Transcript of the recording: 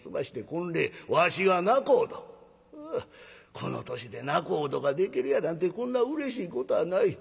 この年で仲人ができるやなんてこんなうれしいことはない。